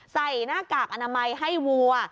หน้ากากอนามัยให้วัว